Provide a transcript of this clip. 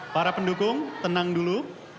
para pendukung tenang dulu